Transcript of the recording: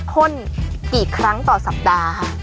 ข้นกี่ครั้งต่อสัปดาห์ค่ะ